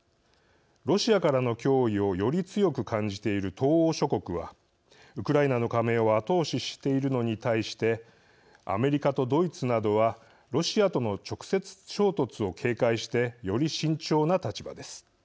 ロシアからの脅威をより強く感じている東欧諸国はウクライナの加盟を後押ししているのに対してアメリカとドイツなどはロシアとの直接衝突を警戒してより慎重な立場です。